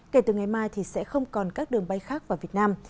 kể từ ngày mai thì sẽ không còn các đường bay khác vào việt nam